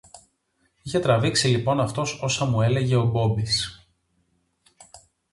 Είχε τραβήξει λοιπόν αυτός όσα μου έλεγε ο Μπόμπης!